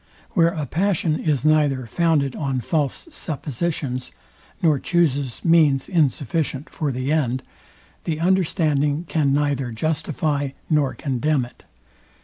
Where a passion is neither founded on false suppositions, nor chuses means insufficient for the end, the understanding can neither justify nor condemn it.